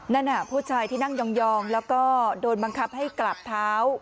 นั่นผู้ชายที่นั่งยองแล้วก็โดนบังคับให้กลับเท้า